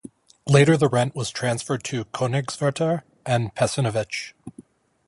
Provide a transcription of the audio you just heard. Later the rent was transferred to Koenigswerther and Pasinowich.